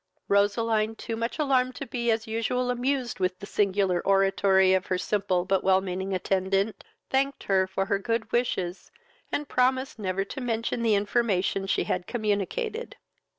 Roseline, too much alarmed to be as usual amused with the singular oratory of her simple but well meaning attendant, thanked her for her good wishes, and promised never to mention the information she had communicated.